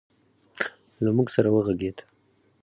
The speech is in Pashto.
له موږ سره وغږېد